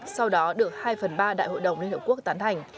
sau đó được hai phần ba đại hội đồng liên hợp quốc tán thành